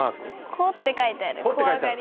「こ」って書いてある「こわがり」の。